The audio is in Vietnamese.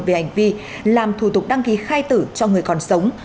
về hành vi làm thủ tục đăng ký khai tử cho người còn sống